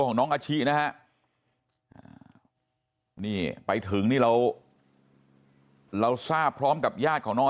ของน้องอาชินะฮะนี่ไปถึงนี่เราเราทราบพร้อมกับญาติของน้อง